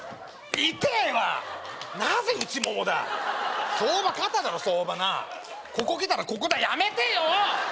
イテえわなぜ内ももだ相場肩だろ相場なここきたらここだやめてよ！